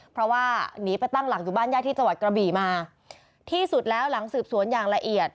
เพราะว่าหนีไปตั้งหลักอยู่บ้านญาติที่จังหวัดกระบี่มาที่สุดแล้วหลังสืบสวนอย่างละเอียด